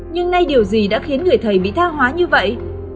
nhưng nay điều gì đã khiến người thầy bị tha hóa như vậy